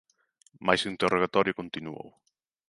Mais o interrogatorio continuou.